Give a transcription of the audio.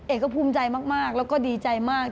เอกก็ภูมิใจมากแล้วก็ดีใจมาก